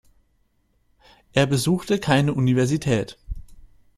Er besuchte keine Universität.